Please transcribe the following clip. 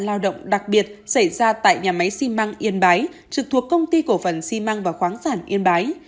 lao động đặc biệt xảy ra tại nhà máy xi măng yên bái trực thuộc công ty cổ phần xi măng và khoáng sản yên bái